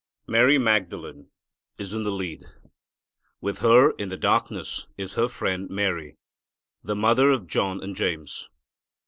Mary Magdalene is in the lead. With her in the darkness is her friend Mary, the mother of John and James.